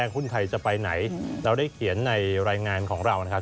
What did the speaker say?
หุ้นไทยจะไปไหนเราได้เขียนในรายงานของเรานะครับ